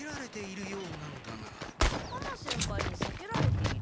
浜先輩にさけられている？